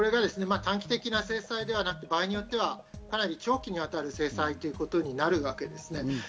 短期的な制裁ではなく、場合によっては長期にわたる制裁ということになるわけです。